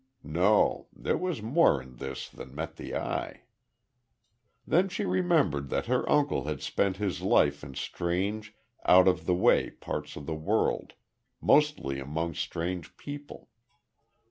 No. There was more in this than met the eye. Then she remembered that her uncle had spent his life in strange, out of the way parts of the world, mostly among strange people.